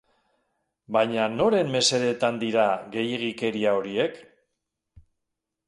Baina noren mesedetan dira gehiegikeria horiek?